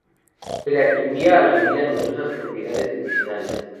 Se le atribuía a la bebida numerosas propiedades medicinales.